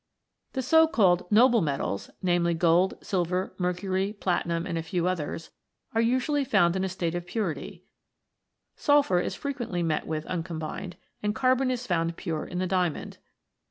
The so called noble metals namely, gold, silver, mercury, platinum, and a few others are usually found in a state of purity ; sulphur is frequently met with uucombined ; and carbon is found pure in the diamond.